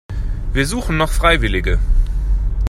Wir suchen noch Freiwillige.